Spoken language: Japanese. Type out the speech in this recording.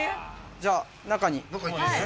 じゃあ中に。